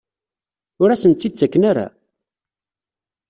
Ur asen-tt-id-ttaken ara?